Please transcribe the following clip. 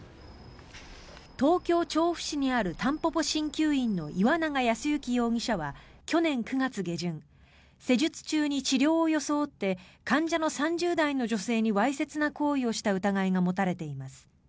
東京・調布市にあるたんぽぽ鍼灸院の岩永康幸容疑者は去年９月下旬施術中に治療を装って患者の３０代の女性にわいせつな行為をした疑いが持たれています。